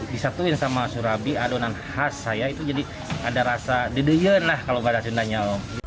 disatuin sama surabi adonan khas saya itu jadi ada rasa dedegen lah kalau gak ada sundanya